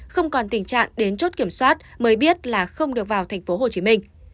không còn tình trạng đến chốt kiểm soát mới biết là không được vào tp hcm